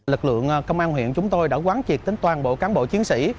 lực lượng công an huyện chúng tôi đã quán triệt đến toàn bộ cán bộ chiến sĩ